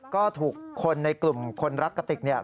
ก็ถูกคนในกลุ่มคนรักกะติกเนี่ย